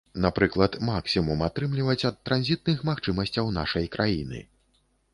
Напрыклад, максімум атрымліваць ад транзітных магчымасцяў нашай краіны.